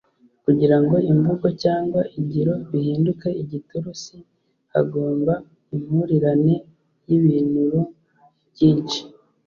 kugira ngo imvugo cyangwa ingiro bihinduke igitursi, hagomba impurirane y'ibinru byinshi